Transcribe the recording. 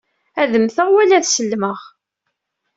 Ad mmteɣ wala ad sellmeɣ.